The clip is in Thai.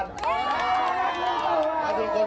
คนรักก็เยอะนะครับแต่ไม่ได้พูด